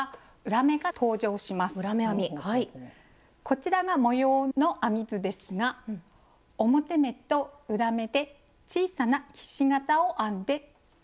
こちらが模様の編み図ですが表目と裏目で小さなひし形を編んでいます。